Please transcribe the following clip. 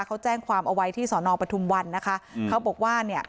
เขาแจ้งความเอาไว้ที่สอนอปทุมวันนะคะเขาบอกว่าเนี่ย